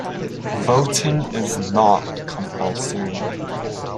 Voting is not compulsory.